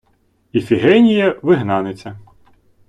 Іфігенія -— вигнаниця